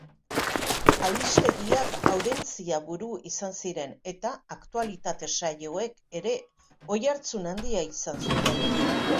Albistegiak audientzia-buru izan ziren eta aktualitate saioek ere oihartzun handia izan zuten.